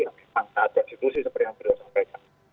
yang memang saatnya institusi seperti yang sudah saya sampaikan